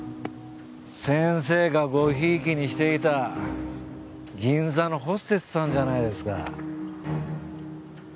先生がごひいきにしていた銀座のホステスさんじゃないですか。